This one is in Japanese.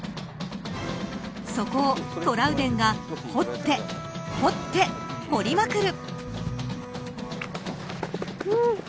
そこをトラウデンが掘って掘って、掘りまくる。